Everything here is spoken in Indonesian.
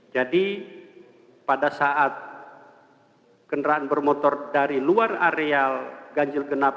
jadi pada saat kendaraan bermotor dari luar areal genjil genap